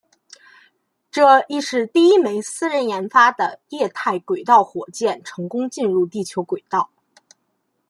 这亦是第一枚私人研发的液态轨道火箭成功进入地球轨道。